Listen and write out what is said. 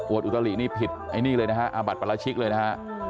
อุตลินี่ผิดไอ้นี่เลยนะฮะอาบัติปราชิกเลยนะฮะ